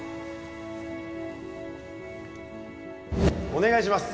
お願いします